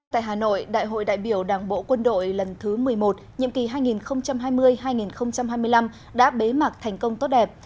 tại hà nội đại hội đại biểu đảng bộ quân đội lần thứ một mươi một nhiệm kỳ hai nghìn hai mươi hai nghìn hai mươi năm đã bế mạc thành công tốt đẹp